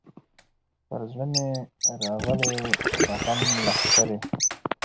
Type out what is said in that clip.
پر زړه مي راغلې د غم لښکري